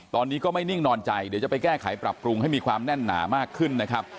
ตอนนี้ก็ไม่นิ่งนอนใจเดี๋ยวจะไปแก้ไขปรับปรุงให้มีความแน่นหนามากขึ้นนะครับ